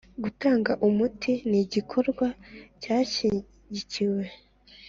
Gutanga umuti ni igikorwa cyashyigikiwe